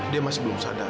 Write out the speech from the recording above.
dia masih belum sadar